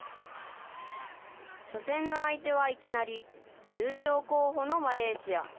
初戦の相手はいきなり優勝候補のマレーシア。